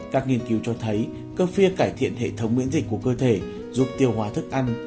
các nghiên cứu cho thấy cơ phi cải thiện hệ thống miễn dịch của cơ thể giúp tiêu hóa thức ăn